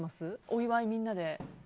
お祝い、みんなで。